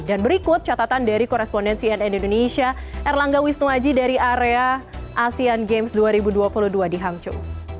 dan berikut catatan dari korespondensi nn indonesia erlangga wisnuaji dari area asean games dua ribu dua puluh dua di hangzhou